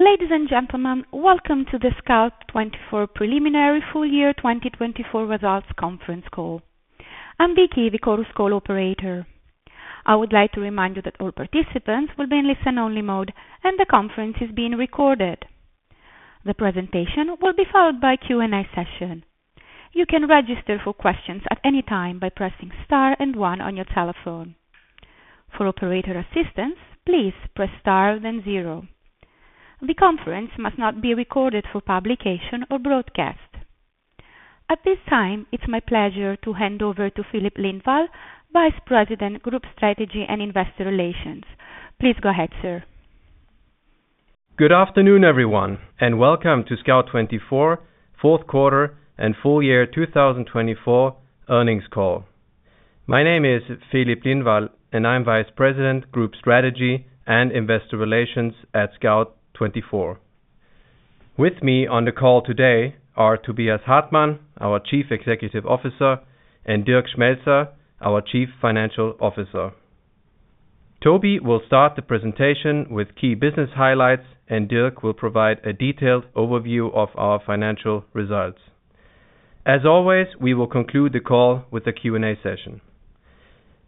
Ladies and gentlemen, welcome to the Scout24 Preliminary Full Year 2024 Results Conference Call. I'm Chorus Call Operator. I would like to remind you that all participants will be in listen-only mode, and the conference is being recorded. The presentation will be followed by a Q&A session. You can register for questions at any time by pressing star and one on your telephone. For operator assistance, please press star then zero. The conference must not be recorded for publication or broadcast. At this time, it's my pleasure to hand over to Filip Lindvall, Vice President, Group Strategy and Investor Relations. Please go ahead, sir. Good afternoon, everyone, and welcome to Scout24 fourth quarter and full year 2024 earnings call. My name is Filip Lindvall, and I'm Vice President, Group Strategy and Investor Relations at Scout24. With me on the call today are Tobias Hartmann, our Chief Executive Officer, and Dirk Schmelzer, our Chief Financial Officer. Tobi will start the presentation with key business highlights, and Dirk will provide a detailed overview of our financial results. As always, we will conclude the call with a Q&A session.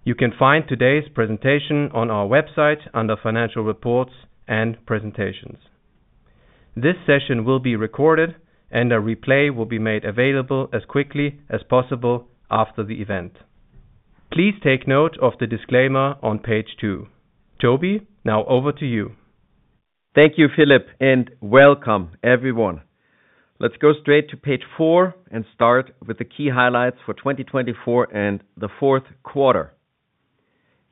You can find today's presentation on our website under Financial Reports and Presentations. This session will be recorded, and a replay will be made available as quickly as possible after the event. Please take note of the disclaimer on page two. Tobi, now over to you. Thank you, Filip, and welcome, everyone. Let's go straight to page four and start with the key highlights for 2024 and the fourth quarter.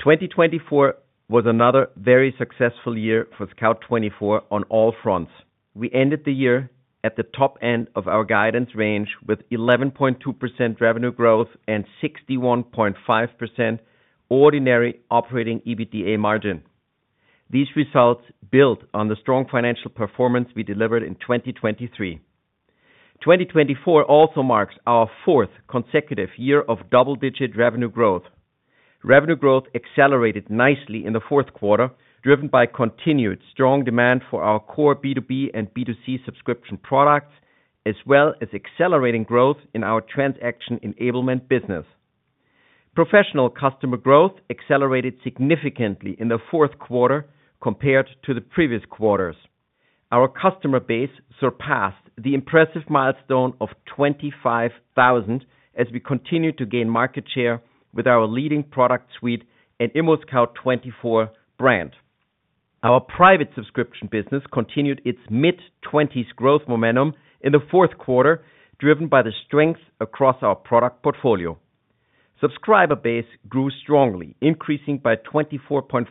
2024 was another very successful year for Scout24 on all fronts. We ended the year at the top end of our guidance range with 11.2% revenue growth and 61.5% ordinary operating EBITDA margin. These results build on the strong financial performance we delivered in 2023. 2024 also marks our fourth consecutive year of double-digit revenue growth. Revenue growth accelerated nicely in the fourth quarter, driven by continued strong demand for our core B2B and B2C subscription products, as well as accelerating growth in our Transaction Enablement business. Professional customer growth accelerated significantly in the fourth quarter compared to the previous quarters. Our customer base surpassed the impressive milestone of 25,000 as we continued to gain market share with our leading product suite and ImmoScout24 brand. Our private subscription business continued its mid-20s growth momentum in the fourth quarter, driven by the strength across our product portfolio. Subscriber base grew strongly, increasing by 24.5%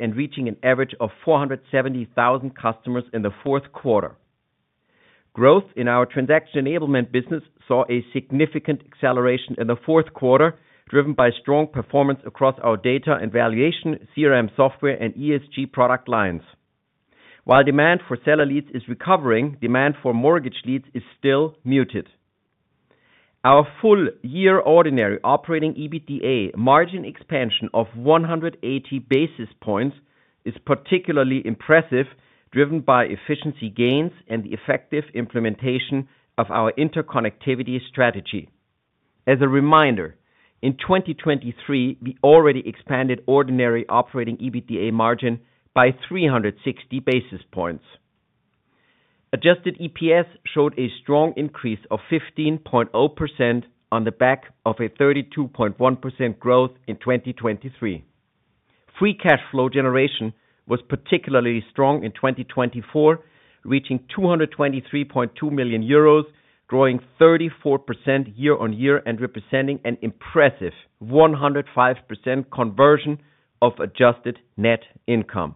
and reaching an average of 470,000 customers in the fourth quarter. Growth in our Transaction Enablement business saw a significant acceleration in the fourth quarter, driven by strong performance across our data and valuation CRM software and ESG product lines. While demand for seller leads is recovering, demand for mortgage leads is still muted. Our full year ordinary operating EBITDA margin expansion of 180 basis points is particularly impressive, driven by efficiency gains and the effective implementation of our interconnectivity strategy. As a reminder, in 2023, we already expanded ordinary operating EBITDA margin by 360 basis points. Adjusted EPS showed a strong increase of 15.0% on the back of a 32.1% growth in 2023. Free cash flow generation was particularly strong in 2024, reaching 223.2 million euros, growing 34% year-on-year and representing an impressive 105% conversion of adjusted net income.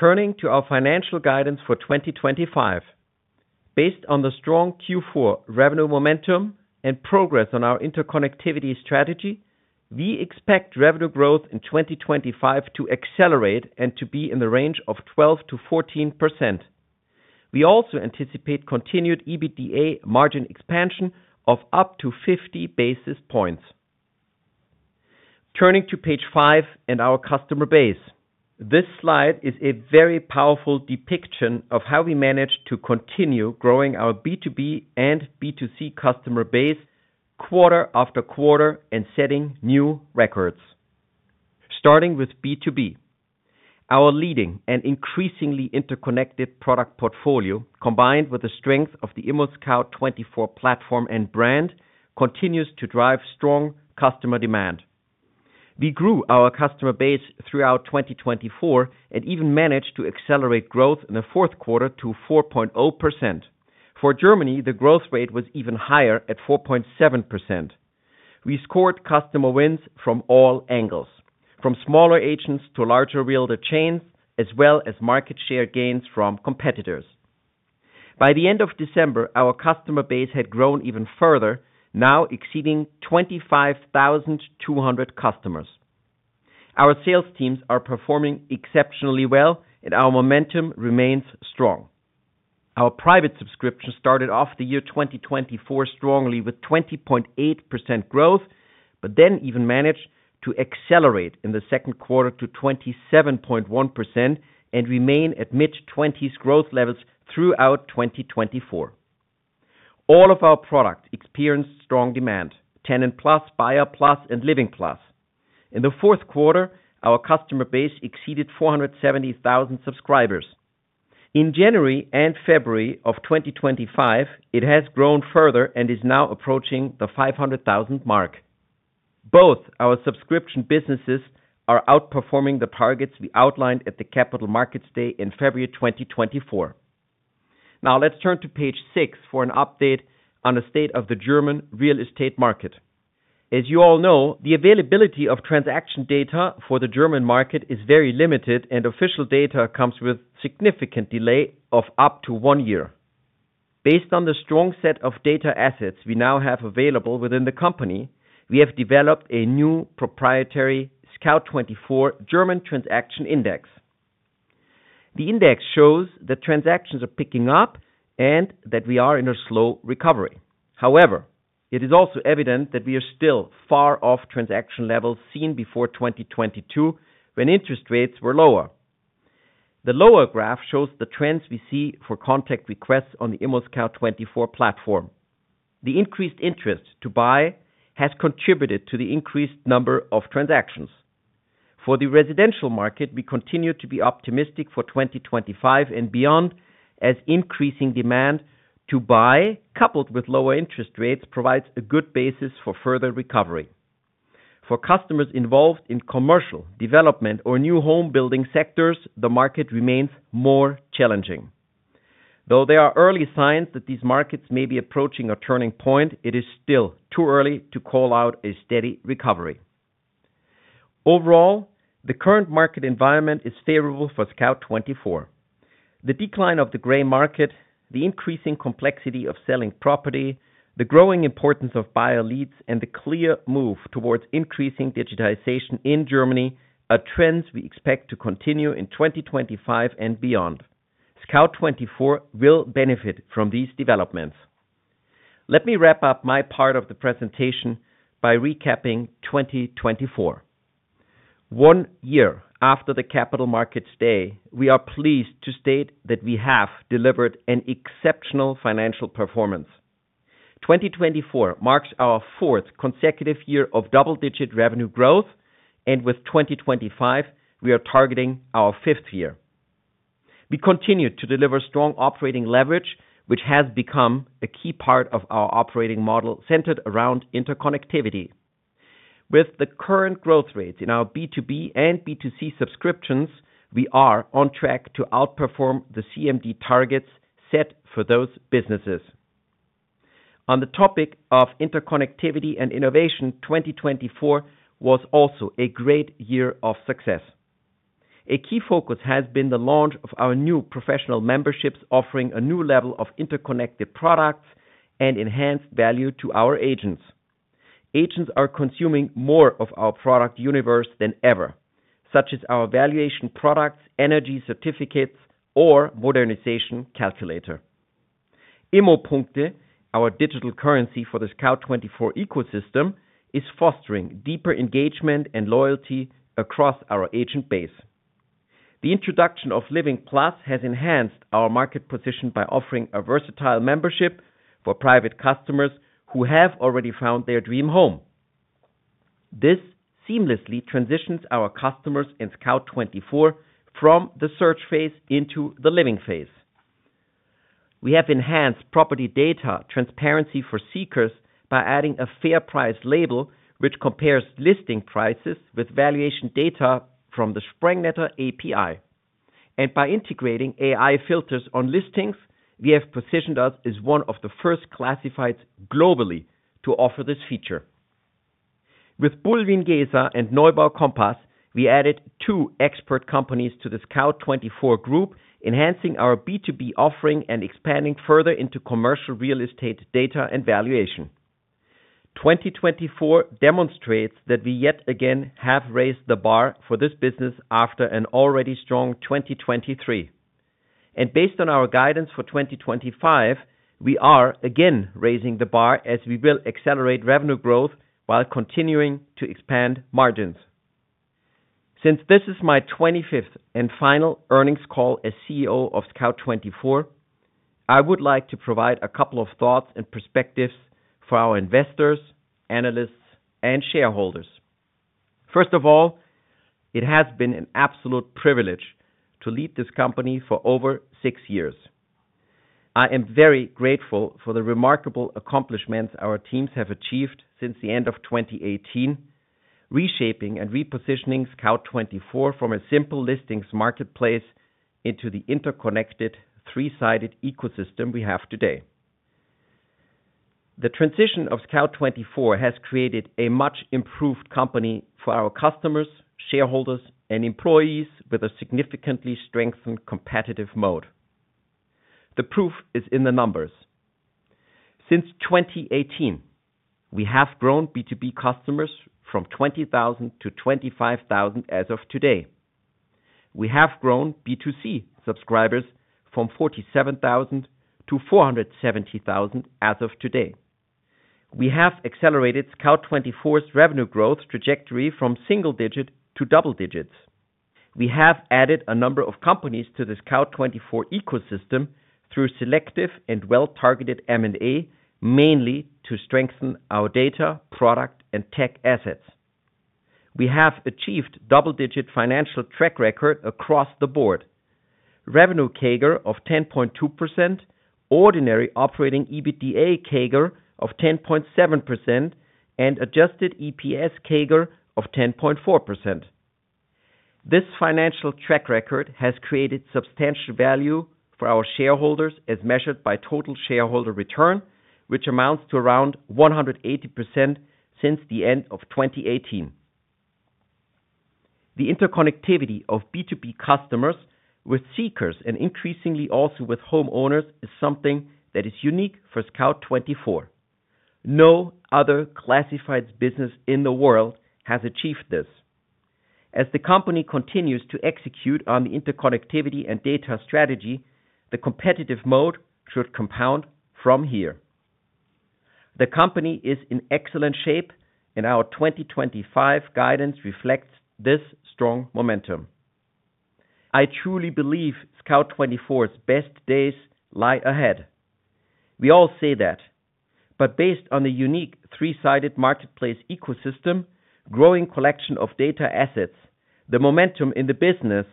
Turning to our financial guidance for 2025, based on the strong Q4 revenue momentum and progress on our interconnectivity strategy, we expect revenue growth in 2025 to accelerate and to be in the range of 12%-14%. We also anticipate continued EBITDA margin expansion of up to 50 basis points. Turning to page five and our customer base, this slide is a very powerful depiction of how we managed to continue growing our B2B and B2C customer base quarter-after-quarter and setting new records. Starting with B2B, our leading and increasingly interconnected product portfolio, combined with the strength of the ImmoScout24 platform and brand, continues to drive strong customer demand. We grew our customer base throughout 2024 and even managed to accelerate growth in the fourth quarter to 4.0%. For Germany, the growth rate was even higher at 4.7%. We scored customer wins from all angles, from smaller agents to larger realtor chains, as well as market share gains from competitors. By the end of December, our customer base had grown even further, now exceeding 25,200 customers. Our sales teams are performing exceptionally well, and our momentum remains strong. Our private subscription started off the year 2024 strongly with 20.8% growth, but then even managed to accelerate in the second quarter to 27.1% and remain at mid-20s growth levels throughout 2024. All of our products experienced strong demand: TenantPlus, BuyerPlus, and LivingPlus. In the fourth quarter, our customer base exceeded 470,000 subscribers. In January and February of 2025, it has grown further and is now approaching the 500,000 mark. Both our subscription businesses are outperforming the targets we outlined at the Capital Markets Day in February 2024. Now let's turn to page six for an update on the state of the German real estate market. As you all know, the availability of transaction data for the German market is very limited, and official data comes with a significant delay of up to one year. Based on the strong set of data assets we now have available within the company, we have developed a new proprietary Scout24 German Transaction Index. The index shows that transactions are picking up and that we are in a slow recovery. However, it is also evident that we are still far off transaction levels seen before 2022, when interest rates were lower. The lower graph shows the trends we see for contact requests on the ImmoScout24 platform. The increased interest to buy has contributed to the increased number of transactions. For the residential market, we continue to be optimistic for 2025 and beyond, as increasing demand to buy, coupled with lower interest rates, provides a good basis for further recovery. For customers involved in commercial development or new home building sectors, the market remains more challenging. Though there are early signs that these markets may be approaching a turning point, it is still too early to call out a steady recovery. Overall, the current market environment is favorable for Scout24. The decline of the gray market, the increasing complexity of selling property, the growing importance of buyer leads, and the clear move towards increasing digitization in Germany are trends we expect to continue in 2025 and beyond. Scout24 will benefit from these developments. Let me wrap up my part of the presentation by recapping 2024. One year after the Capital Markets Day, we are pleased to state that we have delivered an exceptional financial performance. 2024 marks our fourth consecutive year of double-digit revenue growth, and with 2025, we are targeting our fifth year. We continue to deliver strong operating leverage, which has become a key part of our operating model centered around interconnectivity. With the current growth rates in our B2B and B2C subscriptions, we are on track to outperform the CMD targets set for those businesses. On the topic of interconnectivity and innovation, 2024 was also a great year of success. A key focus has been the launch of our new professional memberships, offering a new level of interconnected products and enhanced value to our agents. Agents are consuming more of our product universe than ever, such as our valuation products, energy certificates, or modernization calculator. ImmoPoints, our digital currency for the Scout24 ecosystem, is fostering deeper engagement and loyalty across our agent base. The introduction of LivingPlus has enhanced our market position by offering a versatile membership for private customers who have already found their dream home. This seamlessly transitions our customers in Scout24 from the Search Phase into the Living Phase. We have enhanced property data transparency for seekers by adding a Fair Price Label, which compares listing prices with valuation data from the Sprengnetter API, and by integrating AI filters on listings, we have positioned us as one of the first classifieds globally to offer this feature. With Bulwiengesa and Neubau Kompass, we added two expert companies to the Scout24 group, enhancing our B2B offering and expanding further into commercial real estate data and valuation. 2024 demonstrates that we yet again have raised the bar for this business after an already strong 2023, and based on our guidance for 2025, we are again raising the bar as we will accelerate revenue growth while continuing to expand margins. Since this is my 25th and final earnings call as CEO of Scout24, I would like to provide a couple of thoughts and perspectives for our investors, analysts, and shareholders. First of all, it has been an absolute privilege to lead this company for over six years. I am very grateful for the remarkable accomplishments our teams have achieved since the end of 2018, reshaping and repositioning Scout24 from a simple listings marketplace into the interconnected three-sided ecosystem we have today. The transition of Scout24 has created a much improved company for our customers, shareholders, and employees with a significantly strengthened competitive moat. The proof is in the numbers. Since 2018, we have grown B2B customers from 20,000-25,000 as of today. We have grown B2C subscribers from 47,000-470,000 as of today. We have accelerated Scout24's revenue growth trajectory from single digit to double digits. We have added a number of companies to the Scout24 ecosystem through selective and well-targeted M&A, mainly to strengthen our data, product, and tech assets. We have achieved a double-digit financial track record across the board: revenue CAGR of 10.2%, ordinary operating EBITDA CAGR of 10.7%, and adjusted EPS CAGR of 10.4%. This financial track record has created substantial value for our shareholders as measured by total shareholder return, which amounts to around 180% since the end of 2018. The interconnectivity of B2B customers with seekers and increasingly also with homeowners is something that is unique for Scout24. No other classifieds business in the world has achieved this. As the company continues to execute on the interconnectivity and data strategy, the competitive mode should compound from here. The company is in excellent shape, and our 2025 guidance reflects this strong momentum. I truly believe Scout24's best days lie ahead. We all see that. But based on the unique three-sided marketplace ecosystem, growing collection of data assets, the momentum in the business,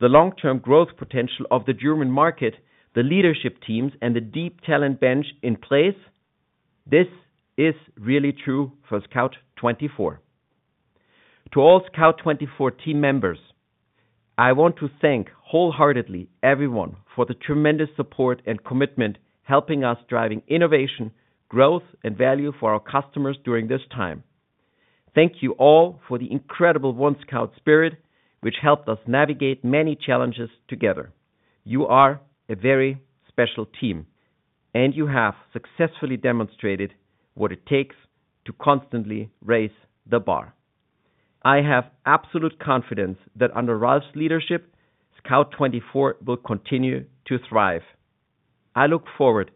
the long-term growth potential of the German market, the leadership teams, and the deep talent bench in place, this is really true for Scout24. To all Scout24 team members, I want to thank wholeheartedly everyone for the tremendous support and commitment helping us drive innovation, growth, and value for our customers during this time. Thank you all for the incredible OneScout spirit, which helped us navigate many challenges together. You are a very special team, and you have successfully demonstrated what it takes to constantly raise the bar. I have absolute confidence that under Ralf's leadership, Scout24 will continue to thrive. I look forward to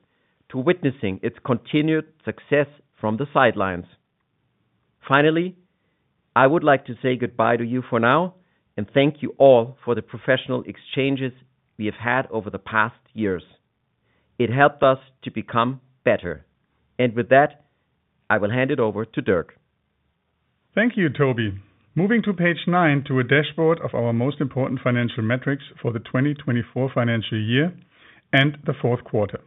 witnessing its continued success from the sidelines. Finally, I would like to say goodbye to you for now, and thank you all for the professional exchanges we have had over the past years. It helped us to become better, and with that, I will hand it over to Dirk. Thank you, Tobi. Moving to page nine to a dashboard of our most important financial metrics for the 2024 financial year and the fourth quarter.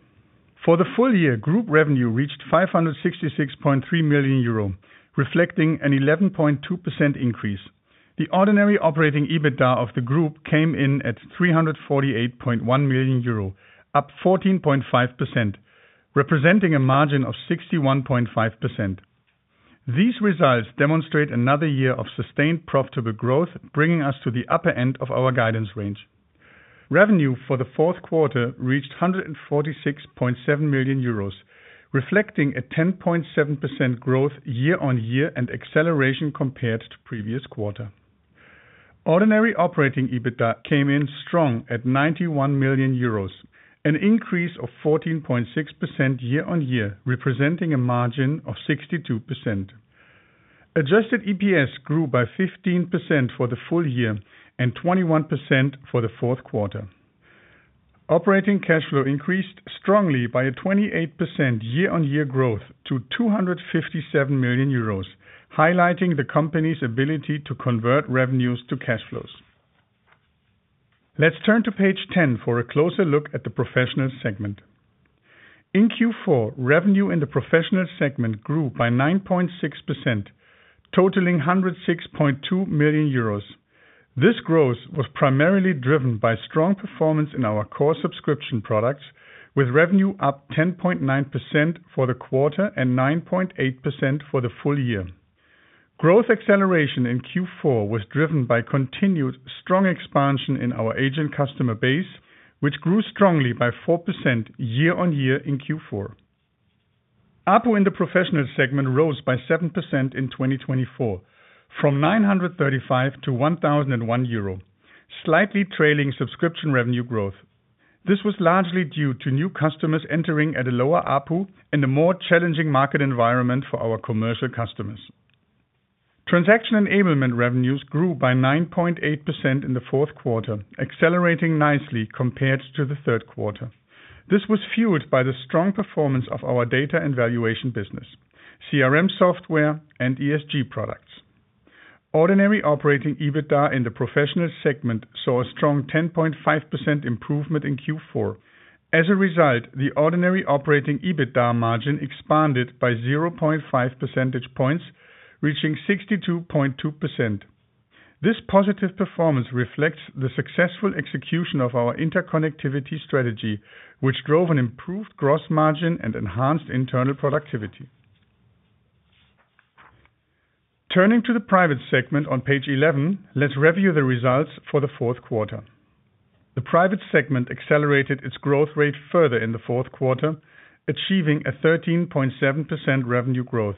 For the full year, group revenue reached 566.3 million euro, reflecting an 11.2% increase. The ordinary operating EBITDA of the group came in at 348.1 million euro, up 14.5%, representing a margin of 61.5%. These results demonstrate another year of sustained profitable growth, bringing us to the upper end of our guidance range. Revenue for the fourth quarter reached 146.7 million euros, reflecting a 10.7% growth year-on-year and acceleration compared to the previous quarter. Ordinary Operating EBITDA came in strong at 91 million euros, an increase of 14.6% year-on-year, representing a margin of 62%. Adjusted EPS grew by 15% for the full year and 21% for the fourth quarter. Operating cash flow increased strongly by a 28% year-on-year growth to 257 million euros, highlighting the company's ability to convert revenues to cash flows. Let's turn to page 10 for a closer look at the Professional segment. In Q4, revenue in the Professional segment grew by 9.6%, totaling 106.2 million euros. This growth was primarily driven by strong performance in our core subscription products, with revenue up 10.9% for the quarter and 9.8% for the full year. Growth acceleration in Q4 was driven by continued strong expansion in our agent customer base, which grew strongly by 4% year-on-year in Q4. ARPU in the Professional segment rose by 7% in 2024, from 935 to 1,001 euro, slightly trailing subscription revenue growth. This was largely due to new customers entering at a lower ARPU and a more challenging market environment for our commercial customers. Transaction Enablement revenues grew by 9.8% in the fourth quarter, accelerating nicely compared to the third quarter. This was fueled by the strong performance of our data and valuation business, CRM software, and ESG products. Ordinary operating EBITDA in the Professional segment saw a strong 10.5% improvement in Q4. As a result, the ordinary operating EBITDA margin expanded by 0.5 percentage points, reaching 62.2%. This positive performance reflects the successful execution of our interconnectivity strategy, which drove an improved gross margin and enhanced internal productivity. Turning to the Private segment on page eleven, let's review the results for the fourth quarter. The Private segment accelerated its growth rate further in the fourth quarter, achieving a 13.7% revenue growth,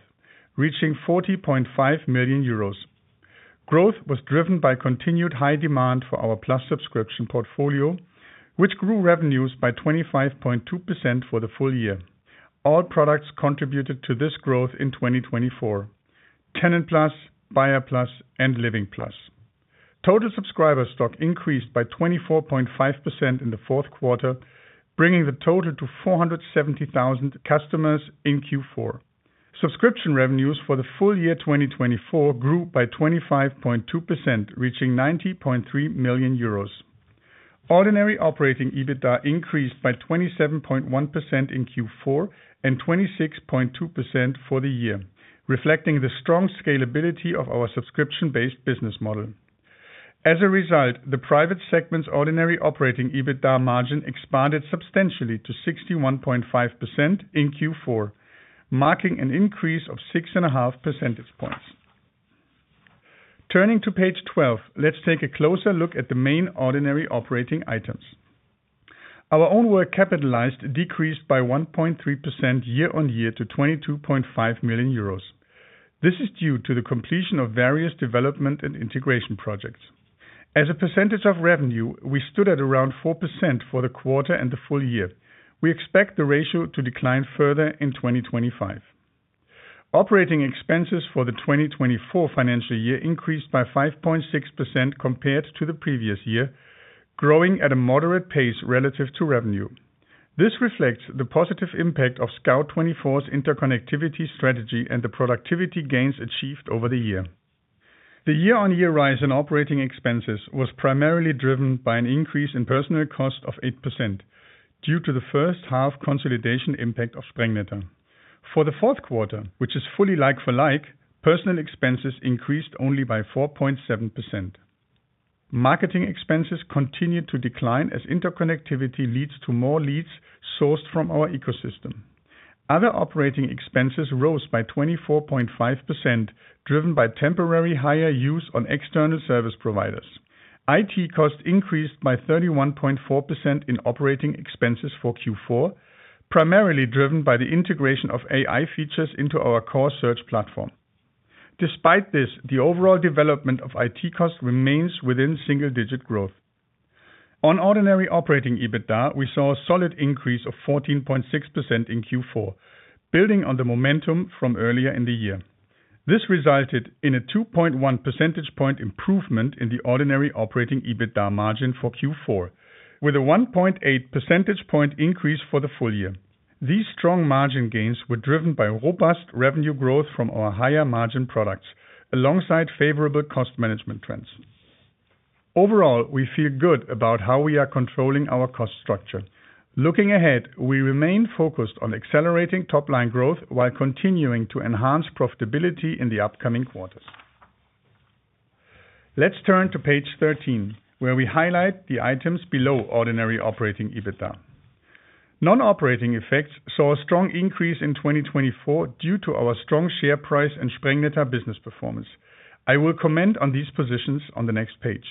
reaching 40.5 million euros. Growth was driven by continued high demand for our Plus subscription portfolio, which grew revenues by 25.2% for the full year. All products contributed to this growth in 2024: TenantPlus, BuyerPlus, and LivingPlus. Total subscriber stock increased by 24.5% in the fourth quarter, bringing the total to 470,000 customers in Q4. Subscription revenues for the full year 2024 grew by 25.2%, reaching 90.3 million euros. Ordinary operating EBITDA increased by 27.1% in Q4 and 26.2% for the year, reflecting the strong scalability of our subscription-based business model. As a result, the Private segment's ordinary operating EBITDA margin expanded substantially to 61.5% in Q4, marking an increase of 6.5 percentage points. Turning to page twelve, let's take a closer look at the main ordinary operating items. Our own work capitalized decreased by 1.3% year-on-year to 22.5 million euros. This is due to the completion of various development and integration projects. As a percentage of revenue, we stood at around 4% for the quarter and the full year. We expect the ratio to decline further in 2025. Operating expenses for the 2024 financial year increased by 5.6% compared to the previous year, growing at a moderate pace relative to revenue. This reflects the positive impact of Scout24's interconnectivity strategy and the productivity gains achieved over the year. The year-on-year rise in operating expenses was primarily driven by an increase in personnel costs of 8% due to the first-half consolidation impact of Sprengnetter. For the fourth quarter, which is fully like-for-like, personnel expenses increased only by 4.7%. Marketing expenses continued to decline as interconnectivity leads to more leads sourced from our ecosystem. Other operating expenses rose by 24.5%, driven by temporary higher use on external service providers. IT cost increased by 31.4% in operating expenses for Q4, primarily driven by the integration of AI features into our core search platform. Despite this, the overall development of IT cost remains within single-digit growth. On ordinary operating EBITDA, we saw a solid increase of 14.6% in Q4, building on the momentum from earlier in the year. This resulted in a 2.1 percentage point improvement in the ordinary operating EBITDA margin for Q4, with a 1.8 percentage point increase for the full year. These strong margin gains were driven by robust revenue growth from our higher margin products, alongside favorable cost management trends. Overall, we feel good about how we are controlling our cost structure. Looking ahead, we remain focused on accelerating top-line growth while continuing to enhance profitability in the upcoming quarters. Let's turn to page thirteen, where we highlight the items below Ordinary Operating EBITDA. Non-operating effects saw a strong increase in 2024 due to our strong share price and Sprengnetter business performance. I will comment on these positions on the next page.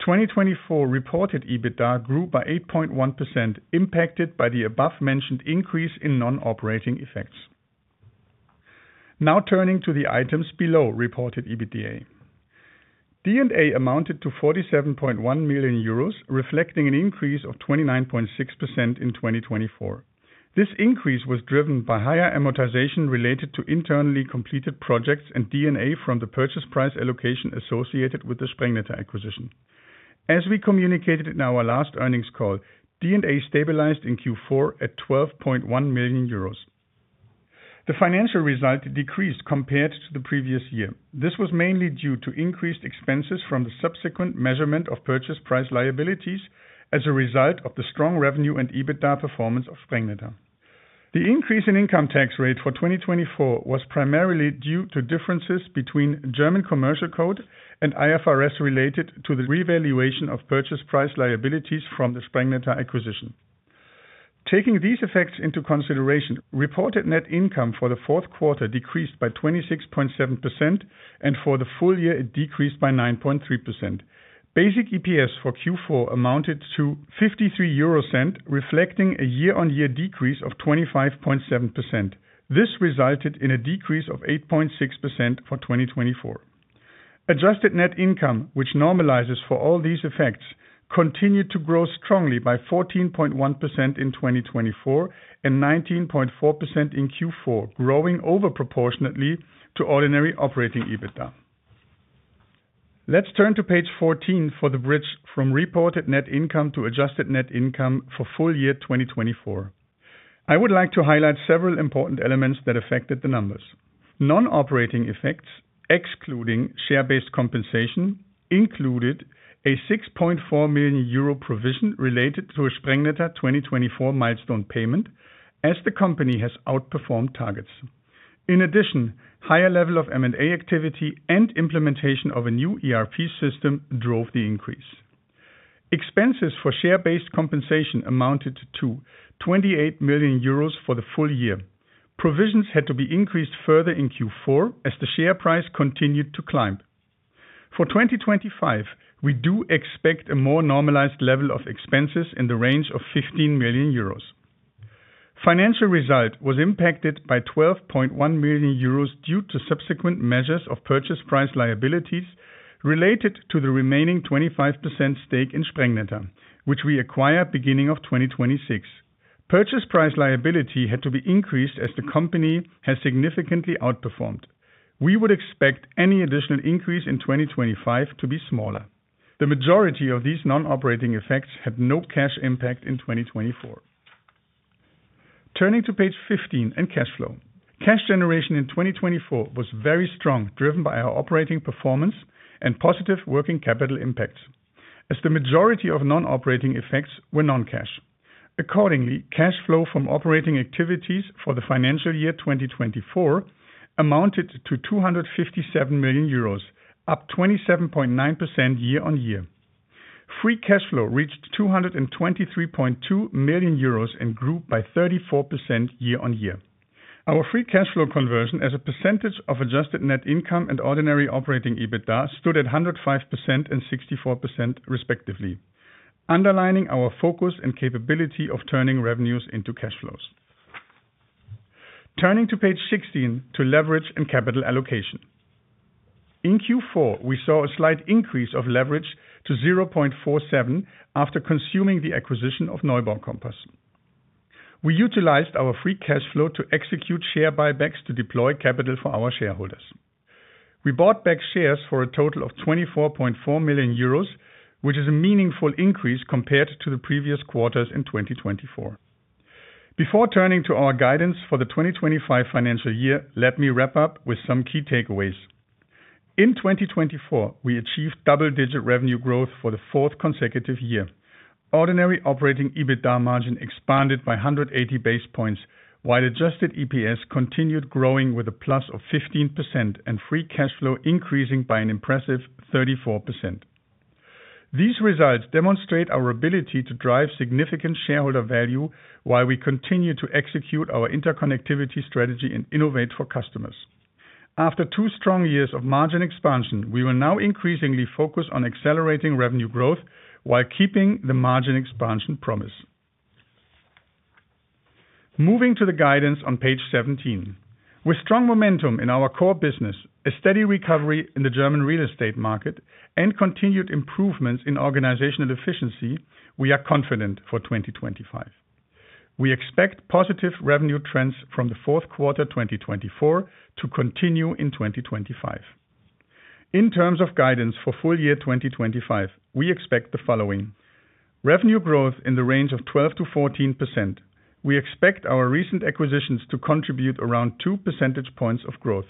2024 reported EBITDA grew by 8.1%, impacted by the above-mentioned increase in non-operating effects. Now turning to the items below reported EBITDA. D&A amounted to 47.1 million euros, reflecting an increase of 29.6% in 2024. This increase was driven by higher amortization related to internally completed projects and D&A from the purchase price allocation associated with the Sprengnetter acquisition. As we communicated in our last earnings call, D&A stabilized in Q4 at 12.1 million euros. The financial result decreased compared to the previous year. This was mainly due to increased expenses from the subsequent measurement of purchase price liabilities as a result of the strong revenue and EBITDA performance of Sprengnetter. The increase in income tax rate for 2024 was primarily due to differences between German Commercial Code and IFRS related to the revaluation of purchase price liabilities from the Sprengnetter acquisition. Taking these effects into consideration, reported net income for the fourth quarter decreased by 26.7%, and for the full year it decreased by 9.3%. Basic EPS for Q4 amounted to 0.53, reflecting a year-on-year decrease of 25.7%. This resulted in a decrease of 8.6% for 2024. Adjusted net income, which normalizes for all these effects, continued to grow strongly by 14.1% in 2024 and 19.4% in Q4, growing over proportionately to ordinary operating EBITDA. Let's turn to page fourteen for the bridge from reported net income to adjusted net income for full year 2024. I would like to highlight several important elements that affected the numbers. Non-operating effects, excluding share-based compensation, included a 6.4 million euro provision related to a Sprengnetter 2024 milestone payment, as the company has outperformed targets. In addition, higher level of M&A activity and implementation of a new ERP system drove the increase. Expenses for share-based compensation amounted to 28 million euros for the full year. Provisions had to be increased further in Q4, as the share price continued to climb. For 2025, we do expect a more normalized level of expenses in the range of 15 million euros. Financial result was impacted by 12.1 million euros due to subsequent measures of purchase price liabilities related to the remaining 25% stake in Sprengnetter, which we acquire beginning of 2026. Purchase price liability had to be increased as the company has significantly outperformed. We would expect any additional increase in 2025 to be smaller. The majority of these non-operating effects had no cash impact in 2024. Turning to page fifteen and cash flow. Cash generation in 2024 was very strong, driven by our operating performance and positive working capital impacts, as the majority of non-operating effects were non-cash. Accordingly, cash flow from operating activities for the financial year 2024 amounted to 257 million euros, up 27.9% year-on-year. Free cash flow reached 223.2 million euros and grew by 34% year-on-year. Our free cash flow conversion, as a percentage of adjusted net income and ordinary operating EBITDA, stood at 105% and 64% respectively, underlining our focus and capability of turning revenues into cash flows. Turning to page sixteen to leverage and capital allocation. In Q4, we saw a slight increase of leverage to 0.47x after consuming the acquisition of Neubau Kompass. We utilized our free cash flow to execute share buybacks to deploy capital for our shareholders. We bought back shares for a total of 24.4 million euros, which is a meaningful increase compared to the previous quarters in 2024. Before turning to our guidance for the 2025 financial year, let me wrap up with some key takeaways. In 2024, we achieved double-digit revenue growth for the fourth consecutive year. Ordinary operating EBITDA margin expanded by 180 basis points, while adjusted EPS continued growing with a plus of 15% and free cash flow increasing by an impressive 34%. These results demonstrate our ability to drive significant shareholder value while we continue to execute our interconnectivity strategy and innovate for customers. After two strong years of margin expansion, we will now increasingly focus on accelerating revenue growth while keeping the margin expansion promise. Moving to the guidance on page seventeen. With strong momentum in our core business, a steady recovery in the German real estate market, and continued improvements in organizational efficiency, we are confident for 2025. We expect positive revenue trends from the fourth quarter 2024 to continue in 2025. In terms of guidance for full year 2025, we expect the following: revenue growth in the range of 12%-14%. We expect our recent acquisitions to contribute around 2 percentage points of growth.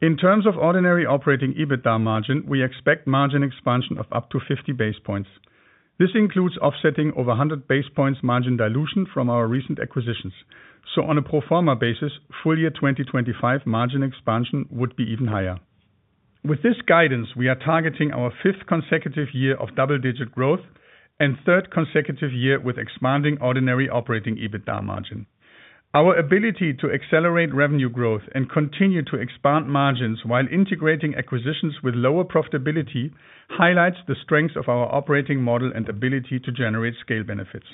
In terms of ordinary operating EBITDA margin, we expect margin expansion of up to 50 basis points. This includes offsetting over 100 basis points margin dilution from our recent acquisitions. On a pro forma basis, full year 2025 margin expansion would be even higher. With this guidance, we are targeting our fifth consecutive year of double-digit growth and third consecutive year with expanding ordinary operating EBITDA margin. Our ability to accelerate revenue growth and continue to expand margins while integrating acquisitions with lower profitability highlights the strengths of our operating model and ability to generate scale benefits.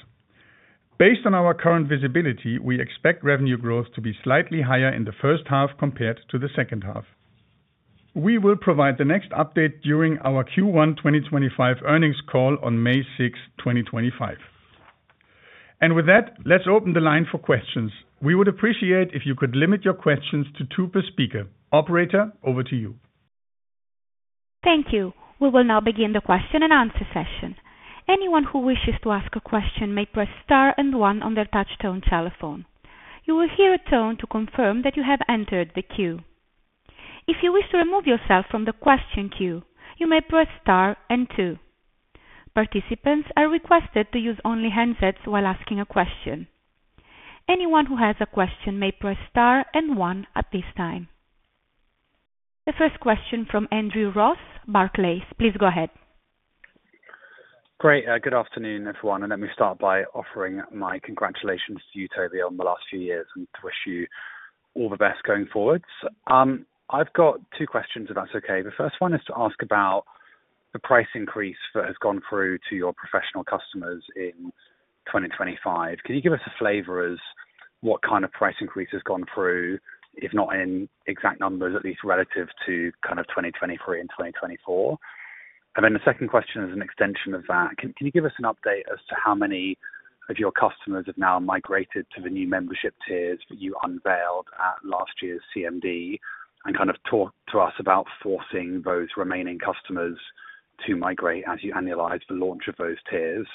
Based on our current visibility, we expect revenue growth to be slightly higher in the first half compared to the second half. We will provide the next update during our Q1 2025 earnings call on May 6, 2025, and with that, let's open the line for questions. We would appreciate it if you could limit your questions to two per speaker. Operator, over to you. Thank you. We will now begin the question and answer session. Anyone who wishes to ask a question may press star and one on their touch-tone telephone. You will hear a tone to confirm that you have entered the queue. If you wish to remove yourself from the question queue, you may press star and two. Participants are requested to use only handsets while asking a question. Anyone who has a question may press star and one at this time. The first question from Andrew Ross, Barclays. Please go ahead. Great. Good afternoon, everyone. And let me start by offering my congratulations to you, Tobi, on the last few years and to wish you all the best going forward. I've got two questions, if that's okay. The first one is to ask about the price increase that has gone through to your professional customers in 2025. Can you give us a flavor as to what kind of price increase has gone through, if not in exact numbers, at least relative to kind of 2023 and 2024? And then the second question is an extension of that. Can you give us an update as to how many of your customers have now migrated to the new membership tiers that you unveiled at last year's CMD and kind of talk to us about forcing those remaining customers to migrate as you annualize the launch of those tiers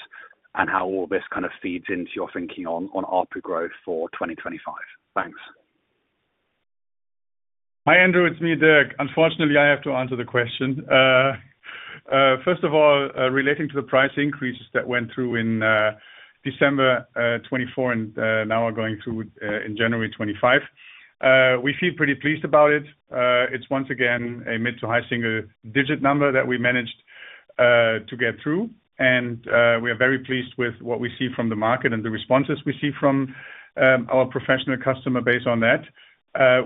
and how all this kind of feeds into your thinking on ARPU growth for 2025? Thanks. Hi, Andrew. It's me, Dirk. Unfortunately, I have to answer the question. First of all, relating to the price increases that went through in December 2024 and now are going through in January 2025, we feel pretty pleased about it. It's once again a mid- to high-single-digit % that we managed to get through. And we are very pleased with what we see from the market and the responses we see from our professional customer base on that.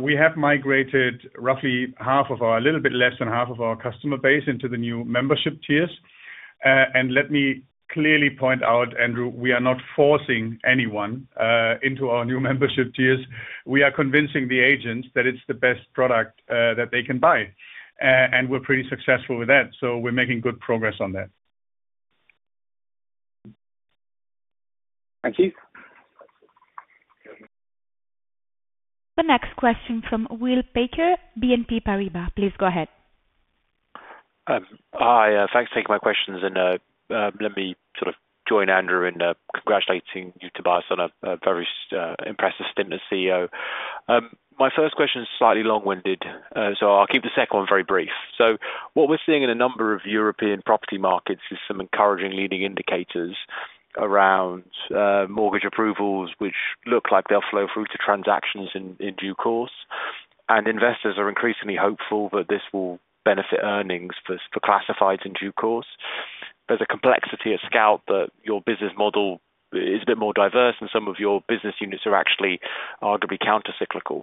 We have migrated roughly half of our, a little bit less than half of our customer base into the new membership tiers. And let me clearly point out, Andrew, we are not forcing anyone into our new membership tiers. We are convincing the agents that it's the best product that they can buy. And we're pretty successful with that. So we're making good progress on that. Thank you. The next question from Will Baker, BNP Paribas. Please go ahead. Hi. Thanks for taking my questions. And let me sort of join Andrew in congratulating you Tobias on a very impressive stint as CEO. My first question is slightly long-winded, so I'll keep the second one very brief. So what we're seeing in a number of European property markets is some encouraging leading indicators around mortgage approvals, which look like they'll flow through to transactions in due course. And investors are increasingly hopeful that this will benefit earnings for classifieds in due course. There's a complexity at Scout that your business model is a bit more diverse, and some of your business units are actually arguably countercyclical.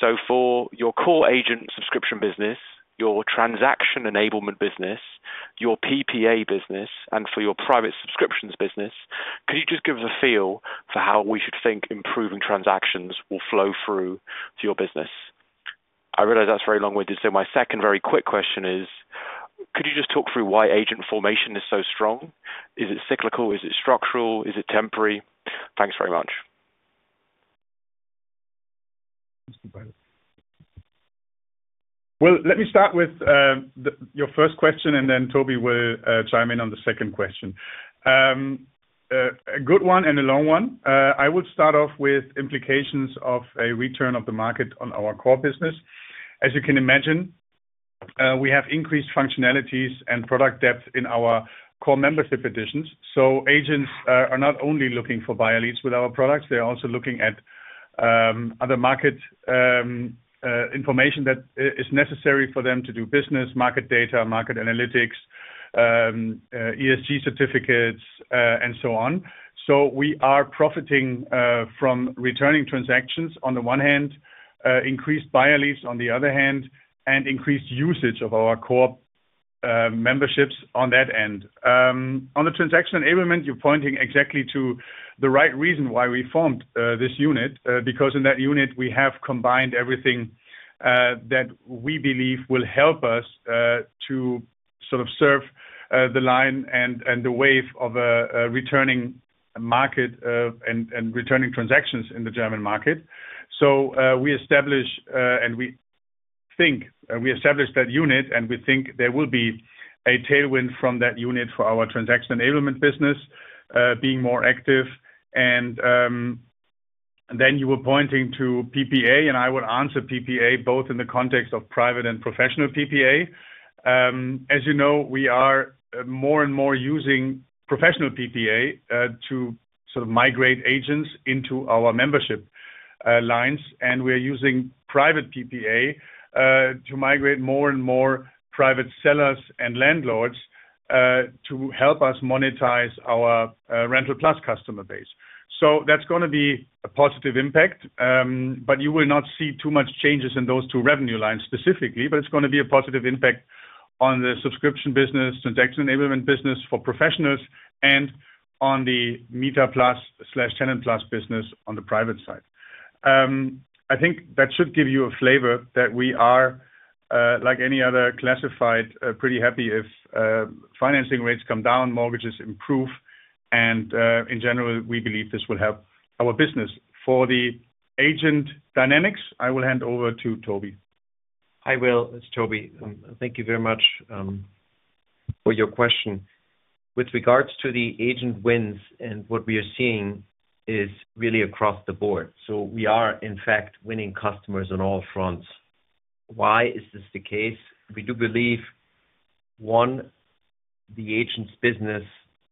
So for your core agent subscription business, your Transaction Enablement business, your PPA business, and for your private subscriptions business, could you just give us a feel for how we should think improving transactions will flow through to your business? I realize that's very long-winded, so my second very quick question is, could you just talk through why agent formation is so strong? Is it cyclical? Is it structural? Is it temporary? Thanks very much. Let me start with your first question, and then Tobi will chime in on the second question. A good one and a long one. I will start off with implications of a return of the market on our core business. As you can imagine, we have increased functionalities and product depth in our core membership additions. So agents are not only looking for buyer leads with our products, they're also looking at other market information that is necessary for them to do business, market data, market analytics, ESG certificates, and so on. So we are profiting from returning transactions on the one hand, increased buyer leads on the other hand, and increased usage of our core memberships on that end. On the Transaction Enablement, you're pointing exactly to the right reason why we formed this unit, because in that unit we have combined everything that we believe will help us to sort of serve the line and the wave of a returning market and returning transactions in the German market. So we establish, and we think we established that unit, and we think there will be a tailwind from that unit for our Transaction Enablement business being more active. And then you were pointing to PPA, and I would answer PPA both in the context of private and professional PPA. As you know, we are more and more using professional PPA to sort of migrate agents into our membership lines, and we're using private PPA to migrate more and more private sellers and landlords to help us monetize our RentalPlus customer base. So that's going to be a positive impact, but you will not see too much changes in those two revenue lines specifically, but it's going to be a positive impact on the subscription business, Transaction Enablement business for professionals, and on the TenantPlus business on the private side. I think that should give you a flavor that we are, like any other classified, pretty happy if financing rates come down, mortgages improve, and in general, we believe this will help our business. For the agent dynamics, I will hand over to Tobi. I will. It's Tobi. Thank you very much for your question. With regards to the agent wins, and what we are seeing is really across the board. So we are, in fact, winning customers on all fronts. Why is this the case? We do believe, one, the agent's business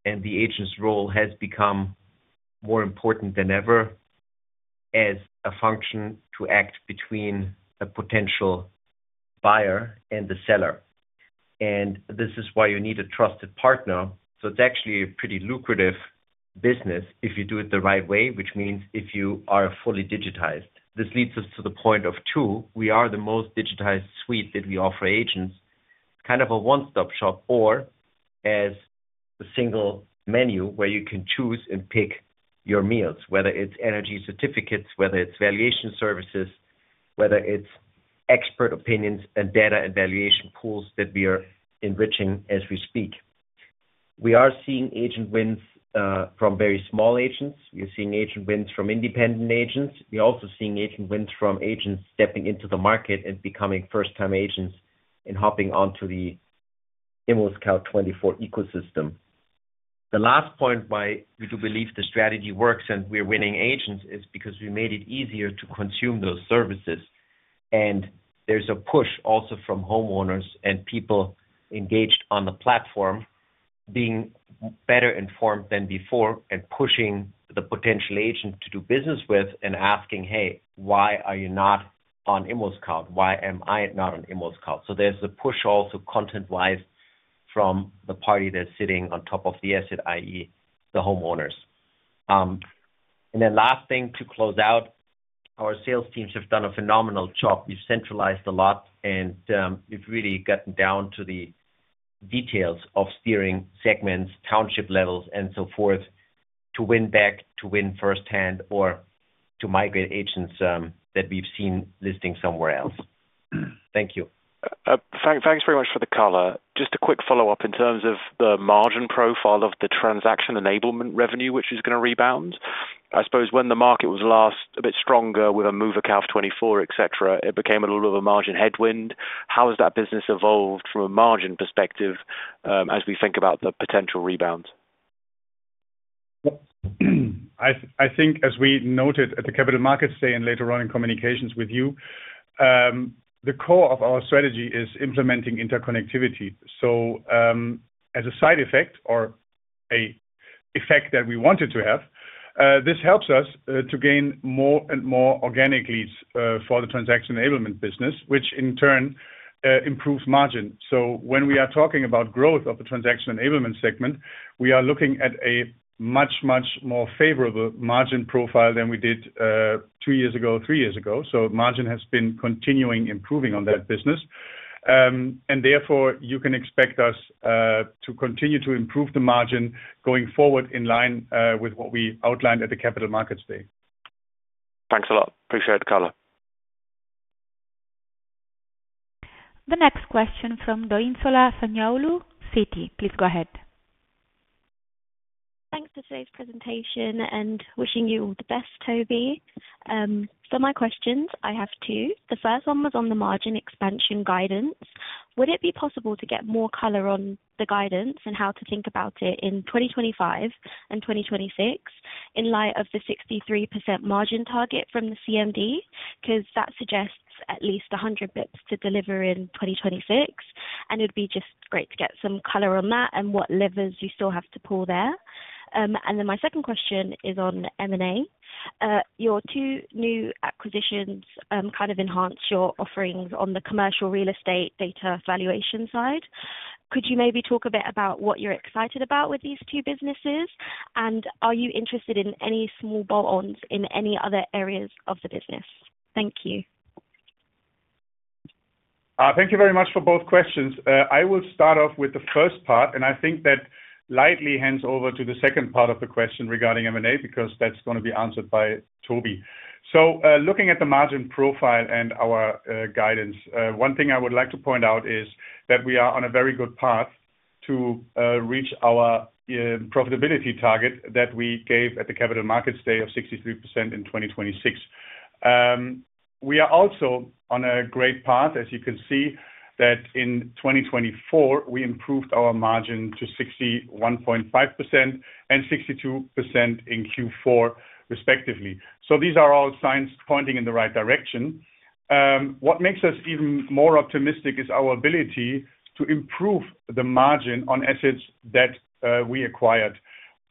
and the agent's role has become more important than ever as a function to act between a potential buyer and the seller, and this is why you need a trusted partner, so it's actually a pretty lucrative business if you do it the right way, which means if you are fully digitized. This leads us to the point of two. We are the most digitized suite that we offer agents. Kind of a one-stop shop or as a single menu where you can choose and pick your meals, whether it's energy certificates, whether it's valuation services, whether it's expert opinions and data and valuation pools that we are enriching as we speak. We are seeing agent wins from very small agents. We are seeing agent wins from independent agents. We are also seeing agent wins from agents stepping into the market and becoming first-time agents and hopping onto the ImmoScout24 ecosystem. The last point why we do believe the strategy works and we're winning agents is because we made it easier to consume those services. And there's a push also from homeowners and people engaged on the platform being better informed than before and pushing the potential agent to do business with and asking, "Hey, why are you not on ImmoScout? Why am I not on ImmoScout?" So there's a push also content-wise from the party that's sitting on top of the asset, i.e., the homeowners. And then last thing to close out, our sales teams have done a phenomenal job. We've centralized a lot, and we've really gotten down to the details of steering segments, township levels, and so forth to win back, to win firsthand, or to migrate agents that we've seen listing somewhere else. Thank you. Thanks very much for the color. Just a quick follow-up in terms of the margin profile of the Transaction Enablement revenue, which is going to rebound. I suppose when the market was last a bit stronger with a move of Scout24, etc., it became a little bit of a margin headwind. How has that business evolved from a margin perspective as we think about the potential rebound? I think, as we noted at the Capital Markets Day and later on in communications with you, the core of our strategy is implementing interconnectivity. So as a side effect or an effect that we wanted to have, this helps us to gain more and more organic leads for the Transaction Enablement business, which in turn improves margin. So when we are talking about growth of the Transaction Enablement segment, we are looking at a much, much more favorable margin profile than we did two years ago, three years ago. So margin has been continuing improving on that business. And therefore, you can expect us to continue to improve the margin going forward in line with what we outlined at the Capital Markets Day. Thanks a lot. Appreciate the color. The next question from Doyinsola Sanyaolu, Citi. Please go ahead. Thanks for today's presentation and wishing you all the best, Tobi. For my questions, I have two. The first one was on the margin expansion guidance. Would it be possible to get more color on the guidance and how to think about it in 2025 and 2026 in light of the 63% margin target from the CMD? Because that suggests at least 100 basis points to deliver in 2026. And it would be just great to get some color on that and what levers you still have to pull there. And then my second question is on M&A. Your two new acquisitions kind of enhance your offerings on the commercial real estate data valuation side. Could you maybe talk a bit about what you're excited about with these two businesses? And are you interested in any small bolt-ons in any other areas of the business? Thank you. Thank you very much for both questions. I will start off with the first part, and I think that lightly hands over to the second part of the question regarding M&A because that's going to be answered by Tobi. So looking at the margin profile and our guidance, one thing I would like to point out is that we are on a very good path to reach our profitability target that we gave at the Capital Markets Day of 63% in 2026. We are also on a great path, as you can see, that in 2024, we improved our margin to 61.5% and 62% in Q4, respectively. So these are all signs pointing in the right direction. What makes us even more optimistic is our ability to improve the margin on assets that we acquired.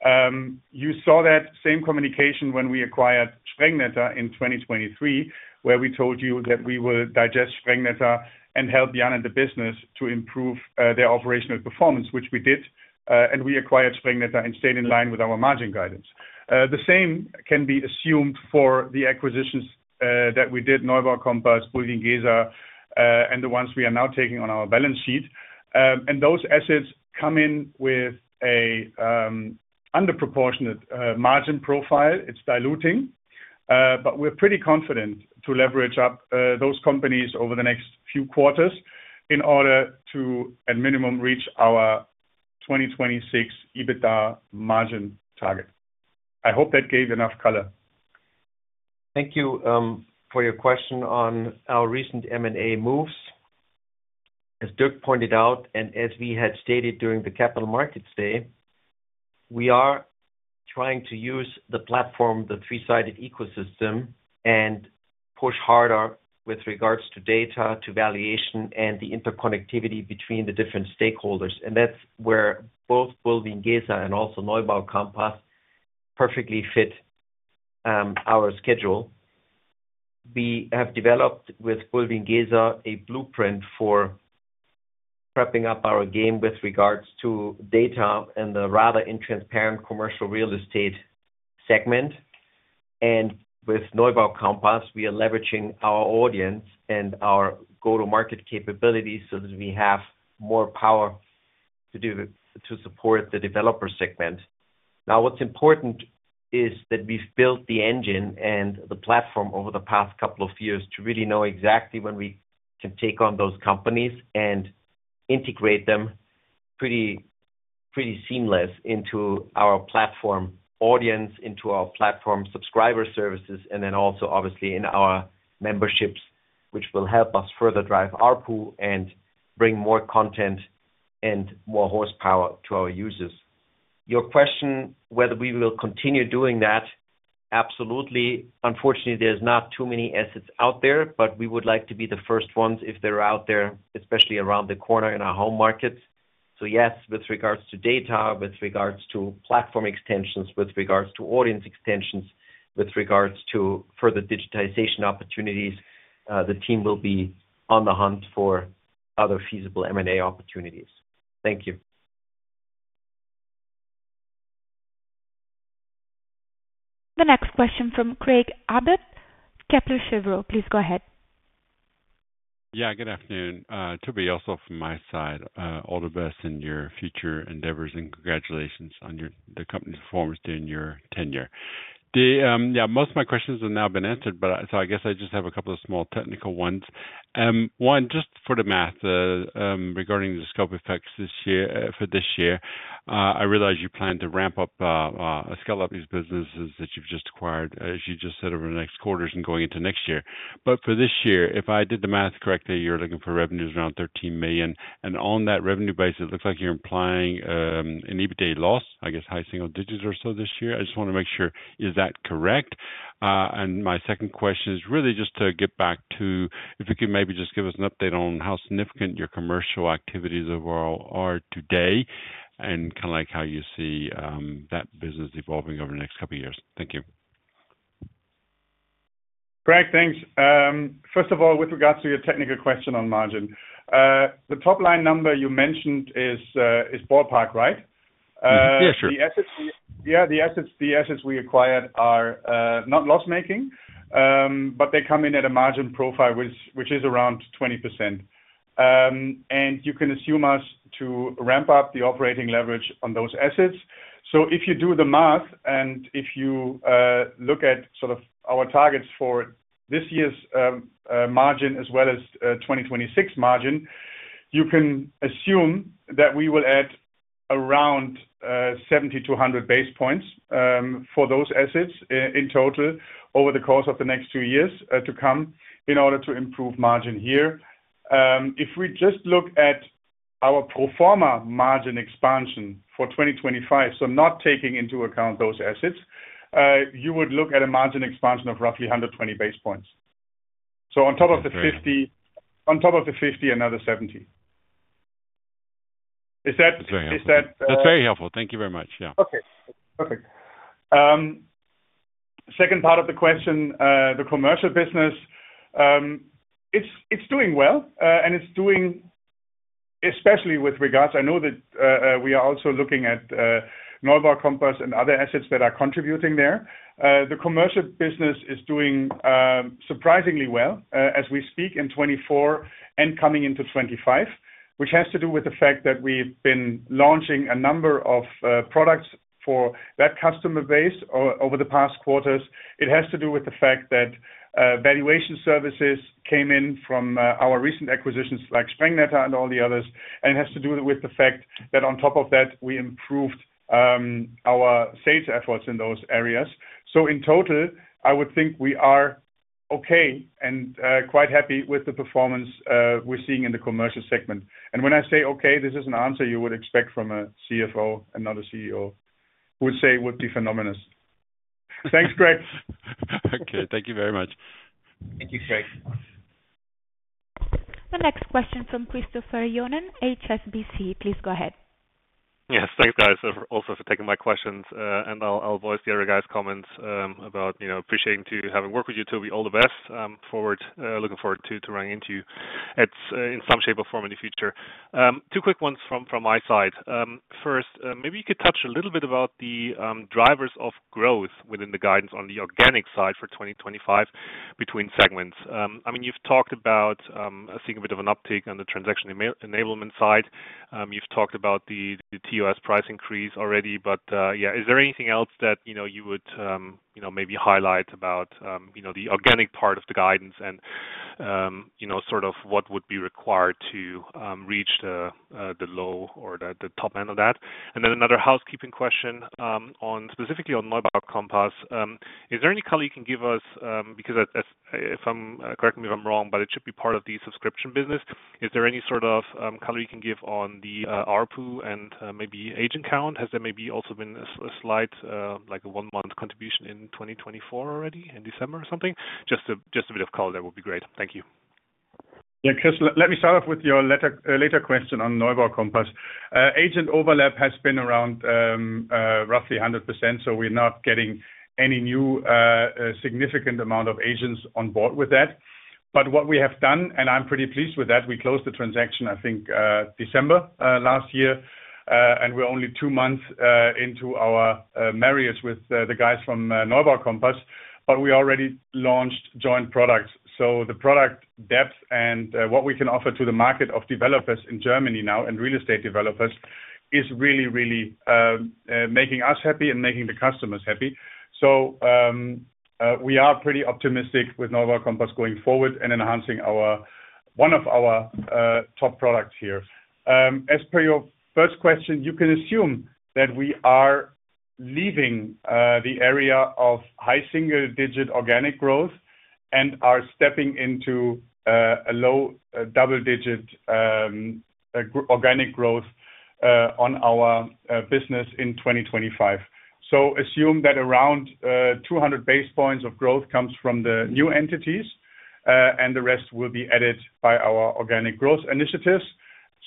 You saw that same communication when we acquired Sprengnetter in 2023, where we told you that we will digest Sprengnetter and help Jan and the business to improve their operational performance, which we did, and we acquired Sprengnetter and stayed in line with our margin guidance. The same can be assumed for the acquisitions that we did: Neubau Kompass, Bulwiengesa, and the ones we are now taking on our balance sheet, and those assets come in with an under proportionate margin profile. It's diluting, but we're pretty confident to leverage up those companies over the next few quarters in order to, at minimum, reach our 2026 EBITDA margin target. I hope that gave you enough color. Thank you for your question on our recent M&A moves. As Dirk pointed out, and as we had stated during the Capital Markets Day, we are trying to use the platform, the three-sided ecosystem, and push harder with regards to data, to valuation, and the interconnectivity between the different stakeholders, and that's where both Bulwiengesa and also Neubau Kompass perfectly fit our schedule. We have developed with Bulwiengesa a blueprint for prepping up our game with regards to data and the rather intransparent commercial real estate segment, and with Neubau Kompass, we are leveraging our audience and our go-to-market capabilities so that we have more power to support the developer segment. Now, what's important is that we've built the engine and the platform over the past couple of years to really know exactly when we can take on those companies and integrate them pretty seamless into our platform audience, into our platform subscriber services, and then also, obviously, in our memberships, which will help us further drive our pool and bring more content and more horsepower to our users. Your question whether we will continue doing that, absolutely. Unfortunately, there's not too many assets out there, but we would like to be the first ones if they're out there, especially around the corner in our home markets. So yes, with regards to data, with regards to platform extensions, with regards to audience extensions, with regards to further digitization opportunities, the team will be on the hunt for other feasible M&A opportunities. Thank you. The next question from Craig Abbott, Kepler Cheuvreux. Please go ahead. Yeah, good afternoon. Tobi, also from my side, all the best in your future endeavors, and congratulations on the company's performance during your tenure. Yeah, most of my questions have now been answered, but so I guess I just have a couple of small technical ones. One, just for the math regarding the scope effects for this year, I realize you plan to ramp up a scale of these businesses that you've just acquired, as you just said, over the next quarters and going into next year. But for this year, if I did the math correctly, you're looking for revenues around 13 million. And on that revenue base, it looks like you're implying an EBITDA loss, I guess, high single digits or so this year. I just want to make sure, is that correct? My second question is really just to get back to if you could maybe just give us an update on how significant your commercial activities overall are today and kind of like how you see that business evolving over the next couple of years. Thank you. Craig, thanks. First of all, with regards to your technical question on margin, the top-line number you mentioned is ballpark, right? Yeah, sure. Yeah, the assets we acquired are not loss-making, but they come in at a margin profile which is around 20%. You can assume us to ramp up the operating leverage on those assets. So if you do the math and if you look at sort of our targets for this year's margin as well as 2026 margin, you can assume that we will add around 70-100 base points for those assets in total over the course of the next two years to come in order to improve margin here. If we just look at our pro forma margin expansion for 2025, so not taking into account those assets, you would look at a margin expansion of roughly 120 base points. So on top of the 50, on top of the 50, another 70. Is that? That's very helpful. Thank you very much. Yeah. Okay. Perfect. Second part of the question, the commercial business, it's doing well, and it's doing especially with regards I know that we are also looking at Neubau Kompass and other assets that are contributing there. The commercial business is doing surprisingly well as we speak in 2024 and coming into 2025, which has to do with the fact that we've been launching a number of products for that customer base over the past quarters. It has to do with the fact that valuation services came in from our recent acquisitions like Sprengnetter and all the others. And it has to do with the fact that on top of that, we improved our sales efforts in those areas. So in total, I would think we are okay and quite happy with the performance we're seeing in the commercial segment. And when I say okay, this is an answer you would expect from a CFO and not a CEO would say would be phenomenal. Thanks, Craig. Okay. Thank you very much. Thank you, Craig. The next question from Christopher Johnen, HSBC. Please go ahead. Yes. Thanks, guys, also for taking my questions. And I'll voice the other guys' comments about appreciating to having worked with you, Tobi. All the best. Looking forward to running into you in some shape or form in the future. Two quick ones from my side. First, maybe you could touch a little bit about the drivers of growth within the guidance on the organic side for 2025 between segments. I mean, you've talked about a significant bit of an uptick on the Transaction Enablement side. You've talked about the ToS price increase already, but yeah, is there anything else that you would maybe highlight about the organic part of the guidance and sort of what would be required to reach the low or the top end of that? And then another housekeeping question specifically on Neubau Kompass. Is there any color you can give us? Because, correct me if I'm wrong, but it should be part of the subscription business. Is there any sort of color you can give on the ARPU and maybe agent count? Has there maybe also been a slight, like a one-month contribution in 2024 already in December or something? Just a bit of color that would be great. Thank you. Yeah, Chris, let me start off with your later question on Neubau Kompass. Agent overlap has been around roughly 100%, so we're not getting any new significant amount of agents on board with that. But what we have done, and I'm pretty pleased with that, we closed the transaction, I think, December last year, and we're only two months into our marriage with the guys from Neubau Kompass, but we already launched joint products. So the product depth and what we can offer to the market of developers in Germany now and real estate developers is really, really making us happy and making the customers happy. So we are pretty optimistic with Neubau Kompass going forward and enhancing one of our top products here. As per your first question, you can assume that we are leaving the area of high single-digit organic growth and are stepping into a low double-digit organic growth on our business in 2025. So assume that around 200 basis points of growth comes from the new entities, and the rest will be added by our organic growth initiatives.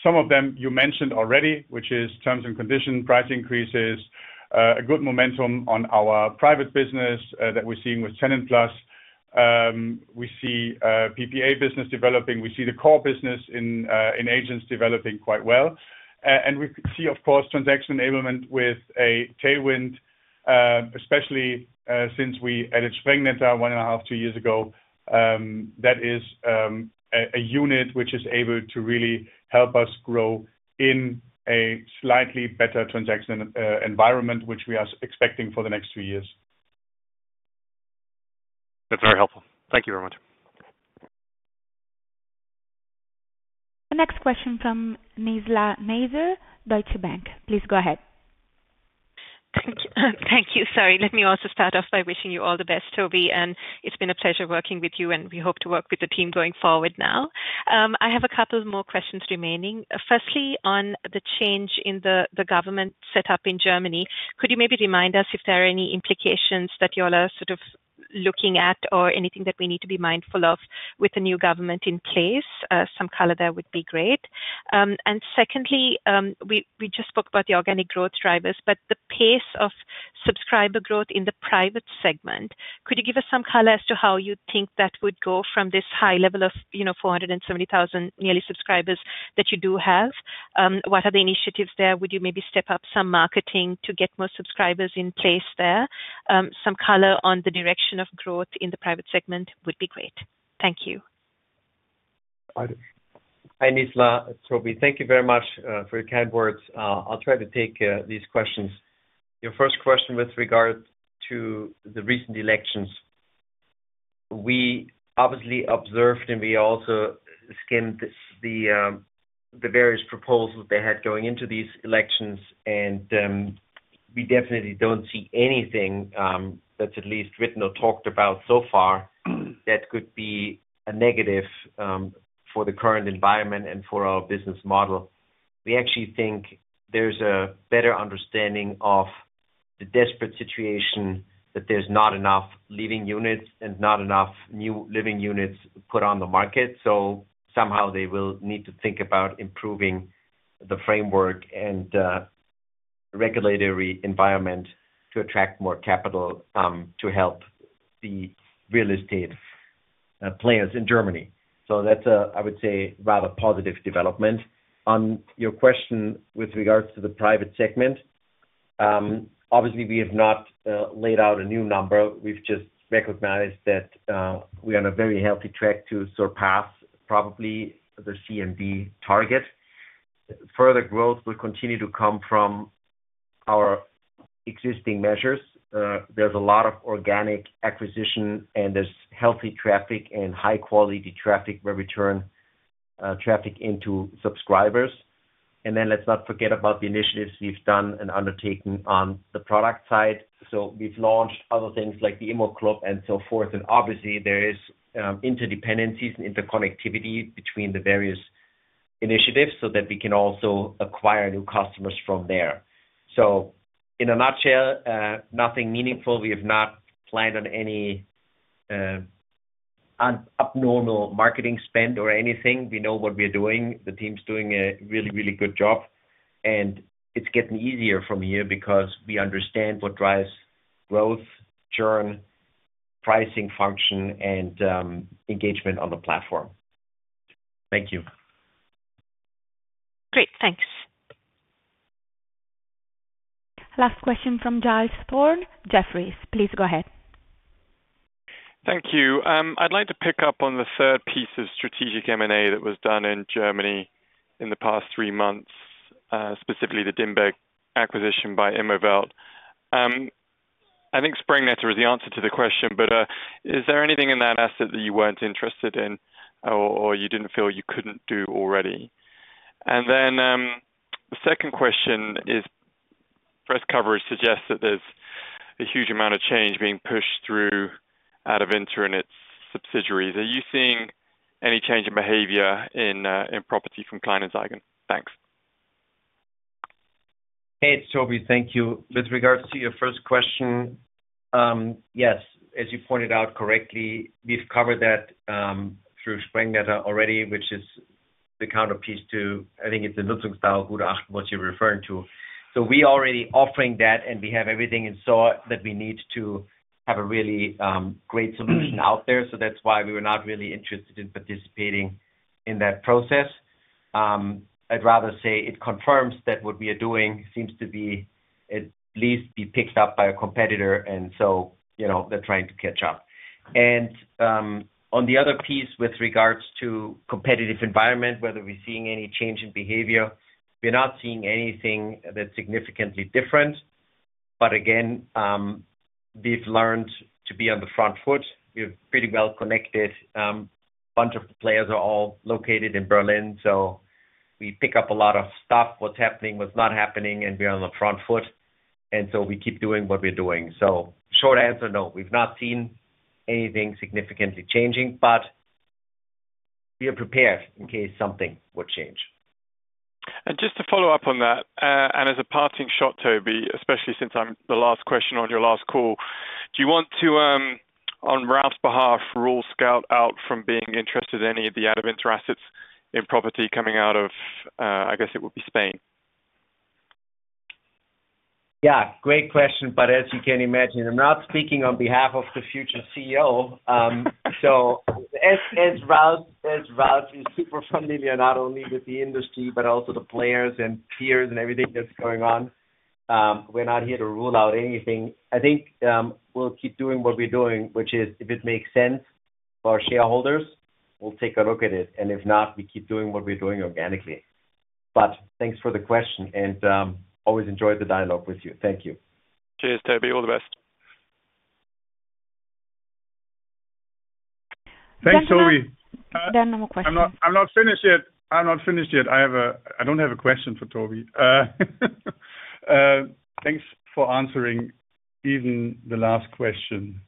Some of them you mentioned already, which is terms and conditions, price increases, a good momentum on our Private business that we're seeing with TenantPlus. We see PPA business developing. We see the core business in agents developing quite well. And we see, of course, Transaction Enablement with a tailwind, especially since we added Sprengnetter one and a half, two years ago. That is a unit which is able to really help us grow in a slightly better transaction environment, which we are expecting for the next two years. That's very helpful. Thank you very much. The next question from Nizla Naizer, Deutsche Bank. Please go ahead. Thank you. Sorry. Let me also start off by wishing you all the best, Tobi. And it's been a pleasure working with you, and we hope to work with the team going forward now. I have a couple more questions remaining. Firstly, on the change in the government setup in Germany, could you maybe remind us if there are any implications that you all are sort of looking at or anything that we need to be mindful of with the new government in place? Some color there would be great. And secondly, we just spoke about the organic growth drivers, but the pace of subscriber growth in the Private segment, could you give us some color as to how you think that would go from this high level of 470,000 nearly subscribers that you do have? What are the initiatives there? Would you maybe step up some marketing to get more subscribers in place there? Some color on the direction of growth in the Private segment would be great. Thank you. Hi, Nizla. Tobi, thank you very much for your kind words. I'll try to take these questions. Your first question with regard to the recent elections. We obviously observed, and we also skimmed the various proposals they had going into these elections, and we definitely don't see anything that's at least written or talked about so far that could be a negative for the current environment and for our business model. We actually think there's a better understanding of the desperate situation that there's not enough living units and not enough new living units put on the market. So somehow they will need to think about improving the framework and regulatory environment to attract more capital to help the real estate players in Germany. So that's, I would say, rather positive development. On your question with regards to the Private segment, obviously, we have not laid out a new number. We've just recognized that we are on a very healthy track to surpass probably the CMD target. Further growth will continue to come from our existing measures. There's a lot of organic acquisition, and there's healthy traffic and high-quality traffic where we turn traffic into subscribers. And then let's not forget about the initiatives we've done and undertaken on the product side. So we've launched other things like the Immo Club and so forth. And obviously, there is interdependencies and interconnectivity between the various initiatives so that we can also acquire new customers from there. So in a nutshell, nothing meaningful. We have not planned on any abnormal marketing spend or anything. We know what we're doing. The team's doing a really, really good job. And it's getting easier from here because we understand what drives growth, churn, pricing function, and engagement on the platform. Thank you. Great. Thanks. Last question from Giles Thorne. Jefferies, please go ahead. Thank you. I'd like to pick up on the third piece of strategic M&A that was done in Germany in the past three months, specifically the DIMBEG acquisition by Immowelt. I think Sprengnetter was the answer to the question, but is there anything in that asset that you weren't interested in or you didn't feel you couldn't do already? And then the second question is, press coverage suggests that there's a huge amount of change being pushed through out of Adevinta and its subsidiaries. Are you seeing any change in behavior in property from Kleinanzeigen? Thanks. Hey, Tobi, thank you. With regards to your first question, yes, as you pointed out correctly, we've covered that through Sprengnetter already, which is the counterpiece to, I think it's the Nutzungsdauer-Gutachten, what you're referring to. So we are already offering that, and we have everything in store that we need to have a really great solution out there. So that's why we were not really interested in participating in that process. I'd rather say it confirms that what we are doing seems to be at least picked up by a competitor, and so they're trying to catch up. And on the other piece with regards to competitive environment, whether we're seeing any change in behavior, we're not seeing anything that's significantly different. But again, we've learned to be on the front foot. We're pretty well connected. A bunch of players are all located in Berlin, so we pick up a lot of stuff, what's happening, what's not happening, and we're on the front foot. And so we keep doing what we're doing. Short answer, no, we've not seen anything significantly changing, but we are prepared in case something would change. Just to follow up on that, and as a parting shot, Tobi, especially since I'm the last question on your last call, do you want to, on Ralf's behalf, rule Scout24 out from being interested in any of the out-of-Adevinta assets in property coming out of, I guess it would be Spain? Yeah. Great question, but as you can imagine, I'm not speaking on behalf of the future CEO. As Ralf is super familiar, not only with the industry, but also the players and peers and everything that's going on, we're not here to rule out anything. I think we'll keep doing what we're doing, which is, if it makes sense for our shareholders, we'll take a look at it. And if not, we keep doing what we're doing organically. But thanks for the question, and always enjoyed the dialogue with you. Thank you. Cheers, Tobi. All the best. Thanks, Tobi. There are no more questions. I'm not finished yet. I'm not finished yet. I don't have a question for Tobi. Thanks for answering even the last question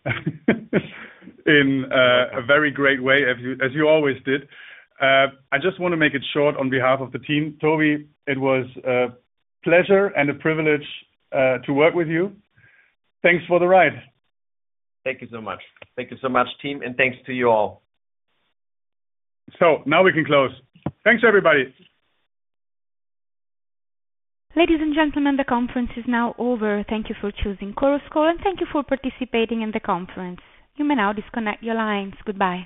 in a very great way, as you always did. I just want to make it short on behalf of the team. Tobi, it was a pleasure and a privilege to work with you. Thanks for the ride. Thank you so much. Thank you so much, team, and thanks to you all. So now we can close. Thanks, everybody. Ladies and gentlemen, the conference is now over. Thank you for choosing Chorus Call, and thank you for participating in the conference. You may now disconnect your lines. Goodbye.